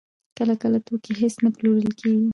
کله کله توکي هېڅ نه پلورل کېږي